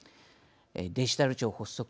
デジタル庁発足。